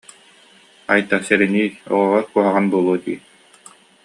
Айта, сэрэниий, оҕоҕор куһаҕан буолуо дии